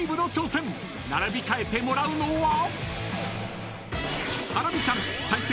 ［並び替えてもらうのは］